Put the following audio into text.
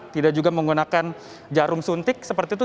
tidak juga menggunakan jarum suntik seperti itu